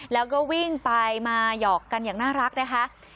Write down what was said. แล้วก็วิ่งไปมาหยอกกันอย่างน่ารักนะคะ